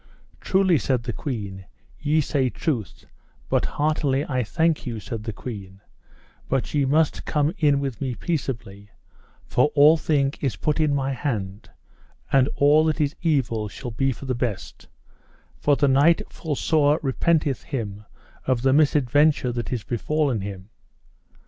Truly, said the queen, ye say truth; but heartily I thank you, said the queen, but ye must come in with me peaceably, for all thing is put in my hand, and all that is evil shall be for the best, for the knight full sore repenteth him of the misadventure that is befallen him.